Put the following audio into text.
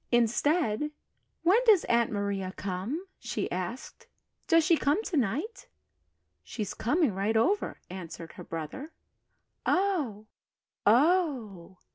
Instead, "When does Aunt Maria come?" she asked. "Does she come to night?" "She's coming right over," answered her brother. "Oh, oh!"